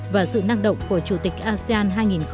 và sự năng động của chủ tịch asean hai nghìn hai mươi